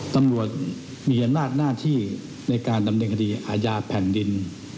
ตำรวจมีอำนาจหน้าที่ในการดำเนินคดีอาญาแผ่นดิน